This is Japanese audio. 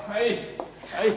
はい。